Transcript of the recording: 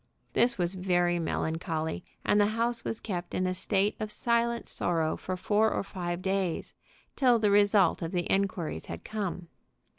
This was very melancholy, and the house was kept in a state of silent sorrow for four or five days, till the result of the inquiries had come.